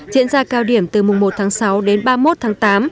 diễn ra cao điểm từ mùng một tháng sáu đến ba mươi một tháng tám